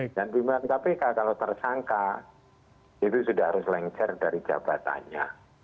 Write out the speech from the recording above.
dan di mkpk kalau tersangka itu sudah harus lengcer dari jabatannya